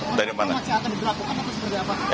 masih akan diberlakukan atau seperti apa